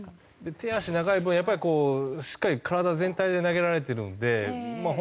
手足長い分やっぱりこうしっかり体全体で投げられてるのでまあ